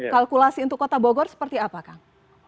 kalkulasi untuk kota bogor seperti apa kang